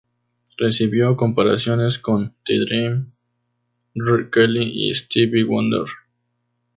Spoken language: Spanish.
Recibió comparaciones con The-Dream, R. Kelly y Stevie Wonder.